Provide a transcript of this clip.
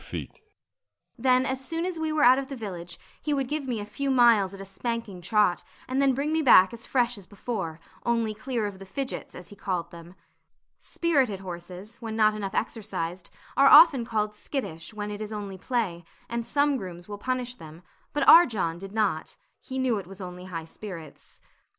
Then as soon as we were out of the village, he would give me a few miles at a spanking trot, and then bring me back as fresh as before, only clear of the fidgets, as he called them. Spirited horses, when not enough exercised, are often called skittish, when it is only play; and some grooms will punish them, but our John did not; he knew it was only high spirits.